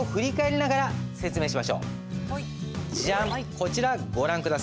こちらご覧下さい。